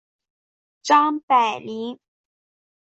张百麟。